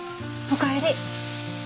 お帰り。